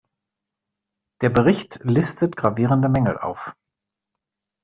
Der Bericht listet gravierende Mängel auf.